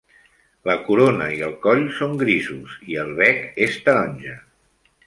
La corona i el coll són grisos, i el bec és taronja.